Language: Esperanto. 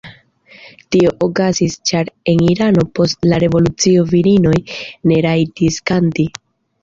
Tio okazis ĉar en Irano post la revolucio virinoj ne rajtis kanti.